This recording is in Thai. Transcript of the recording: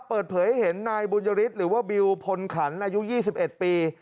เปิดเผยให้เห็นนายบุญริสต์หรือว่าบิวพลขันอายุยี่สิบเอ็ดปี